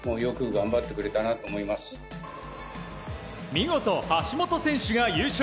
見事、橋本選手が優勝。